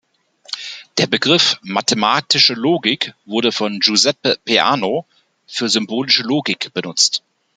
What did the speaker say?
Der Begriff "mathematische Logik" wurde von Giuseppe Peano für symbolische Logik benutzt.